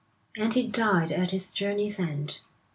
And he died at his journey's end.